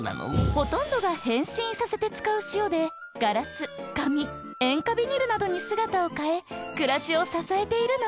ほとんどが変身させて使う塩でガラスかみ塩化ビニルなどにすがたをかえくらしをささえているの。